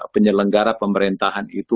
penyelenggara pemerintahan itu